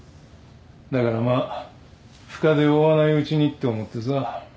だからまあ深手を負わないうちにって思ってさ。